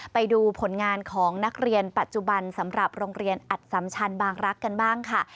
ไปดูผลงานของนักเรียนปัจจุบันสำหรับโรงเรียนอัดสัมชันบางรักษ์กันบ้างค่ะ